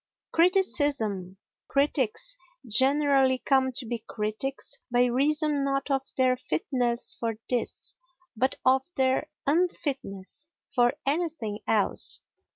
Criticism Critics generally come to be critics by reason not of their fitness for this but of their unfitness for anything else.